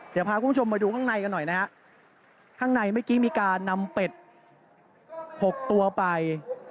เดี๋ยวพาคุณผู้ชมไปดูข้างในกันหน่อยนะฮะข้างในเมื่อกี้มีการนำเป็ดหกตัวไป